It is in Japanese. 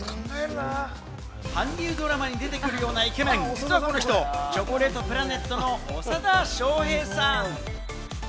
韓流ドラマに出てくるようなイケメン、実はこの人、チョコレートプラネットの長田庄平さん。